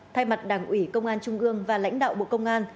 thay mặt đảng ủy công an trung ương và lãnh đạo bộ công an